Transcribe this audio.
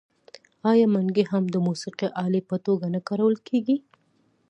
آیا منګی هم د موسیقۍ الې په توګه نه کارول کیږي؟